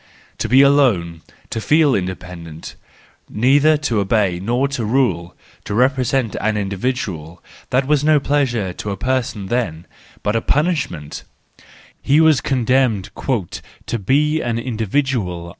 To be alone, to feel independent, neither to obey nor to rule, to represent an individual—that was no pleasure to a person then, but a punishment; he was condemned "to be an individual."